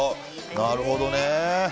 なるほどね。